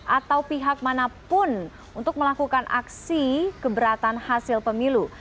atau pihak manapun untuk melakukan aksi keberatan hasil pemilu